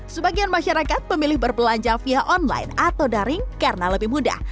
sebagian masyarakat memilih berbelanja via online atau daring karena lebih mudah